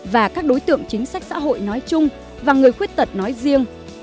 và các đối tượng chính sách xã hội nói chung và người khuyết tật nói riêng